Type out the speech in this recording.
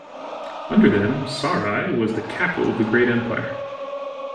Under them Sarai was the capital of a great empire.